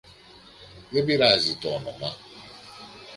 Δεν πειράζει τ' όνομα